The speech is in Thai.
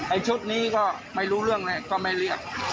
ชุดนี้ก็ไม่รู้เรื่องเลยก็ไม่เรียก